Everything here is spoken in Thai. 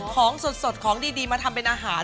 ของสดของดีมาทำเป็นอาหาร